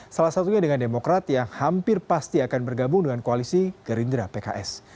salah satunya dengan demokrat yang hampir pasti akan bergabung dengan koalisi gerindra pks